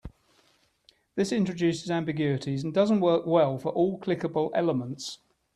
This introduces ambiguities and doesn't work well for all clickable elements.